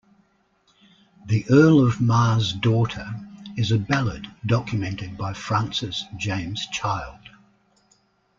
The Earl of Mar's Daughter is a ballad documented by Francis James Child.